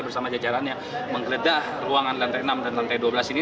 bersama jajarannya menggeledah ruangan lantai enam dan lantai dua belas ini